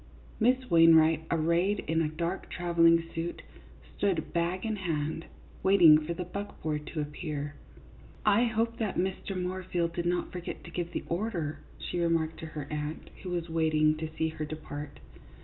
Miss Wainwright, arrayed in a dark travelling suit, stood, bag in hand, waiting for the buckboard to appear. " I hope that Mr. Moorfield did not forget to give the order," she remarked to her aunt, who was wait ing to see her depart.